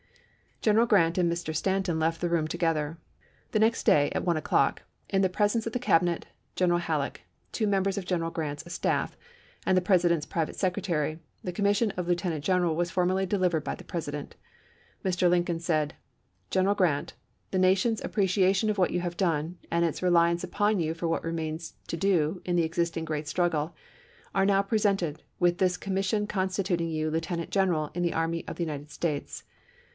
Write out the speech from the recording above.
1 General G rant and Mr. Stanton left the room together. The next day, at one o'clock, in pres Mar. 9,i86i. ence of the Cabinet, General Halleck, two mem bers of Grant's staff, and the President's private secretary, the commission of lieutenant general was formally delivered by the President. Mr. Lin coln said :" General Grant, the nation's appre ciation of what you have done, and its reliance upon you for what remains to do in the existing great struggle, are now presented, with this com mission constituting you Lieutenant General in the Army of the United States.